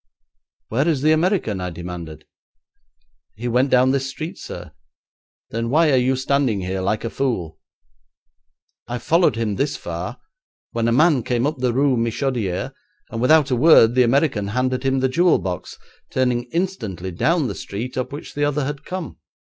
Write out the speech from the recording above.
'Where is the American?' I demanded. 'He went down this street, sir.' 'Then why are you standing here like a fool?' 'I followed him this far, when a man came up the Rue Michodière, and without a word the American handed him the jewel box, turning instantly down the street up which the other had come.